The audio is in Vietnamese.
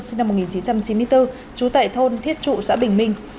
sinh năm một nghìn chín trăm chín mươi bốn trú tại thôn thiết trụ xã bình minh